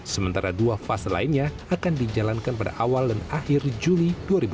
sementara dua fase lainnya akan dijalankan pada awal dan akhir juli dua ribu dua puluh